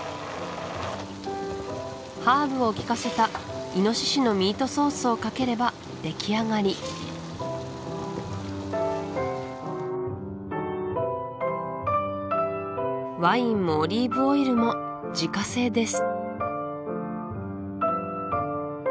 ハーブをきかせたイノシシのミートソースをかければできあがりワインもオリーブオイルも自家製です